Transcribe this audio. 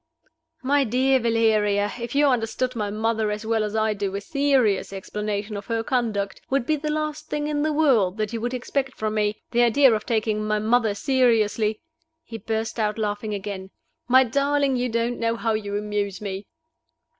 "My dear Valeria, if you understood my mother as well as I do, a serious explanation of her conduct would be the last thing in the world that you would expect from me. The idea of taking my mother seriously!" He burst out laughing again. "My darling, you don't know how you amuse me."